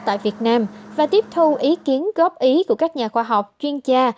tại việt nam và tiếp thu ý kiến góp ý của các nhà khoa học chuyên gia